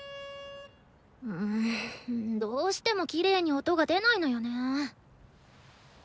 んどうしてもきれいに音が出ないのよねぇ。